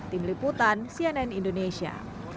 tim liputan cnn indonesia